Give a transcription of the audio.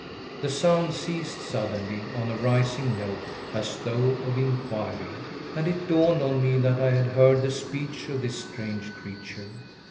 The sound ceased suddenly, on a rising note, as though of inquiry, and it dawned on me that I had heard the speech of this strange creature.